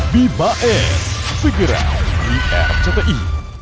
bibae segera di rti